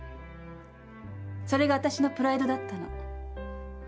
それがわたしのプライドだったの。